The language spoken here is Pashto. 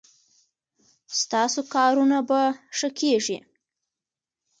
ستاسو کارونه به ښه کیږي